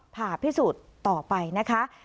ผ่าพิสูจน์ต่อไปนะคะ